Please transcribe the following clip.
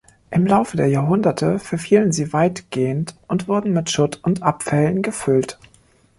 Im Laufe der Jahrhunderte verfielen sie weitgehend und wurden mit Schutt und Abfällen gefüllt.